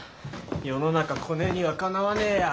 世の中コネにはかなわねえや。